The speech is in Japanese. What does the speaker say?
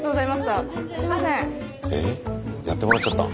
えっやってもらっちゃった。